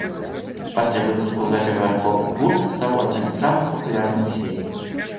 Пасля выпуску гэтага альбому гурт стаў адным з самых папулярных у свеце.